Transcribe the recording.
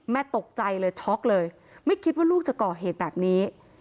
ตกใจเลยช็อกเลยไม่คิดว่าลูกจะก่อเหตุแบบนี้